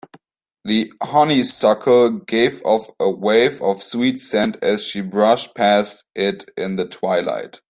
The honeysuckle gave off a wave of sweet scent as she brushed past it in the twilight.